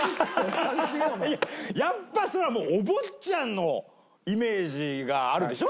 やっぱそれはもうお坊ちゃんのイメージがあるでしょう？